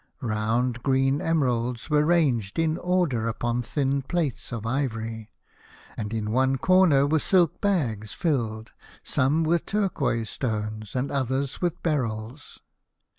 Round green emeralds were ranged in order upon thin plates of ivory, and in one corner were silk bags filled, some with turquoise stones, and others with beryls.